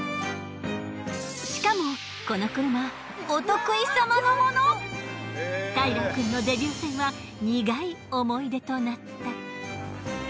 しかもこの車タイラーくんのデビュー戦は苦い思い出となった。